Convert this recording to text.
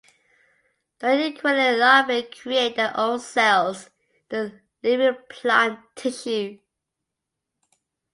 The inquiline larvae create their own cells in the living plant tissue.